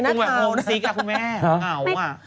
คุณหมอโดนกระช่าคุณหมอโดนกระช่า